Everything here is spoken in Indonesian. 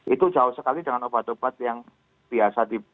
itu jauh sekali dengan obat obat yang biasa